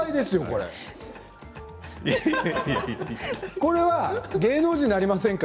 これは芸能人になりませんか？